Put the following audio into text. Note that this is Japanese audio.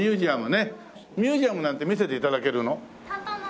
ミュージアムなんて見せて頂けるの？